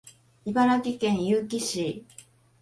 茨城県結城市